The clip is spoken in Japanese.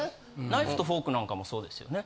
ナイフとフォークなんかもそうですよね？